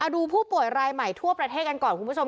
ดูผู้ป่วยรายใหม่ทั่วประเทศกันก่อนคุณผู้ชม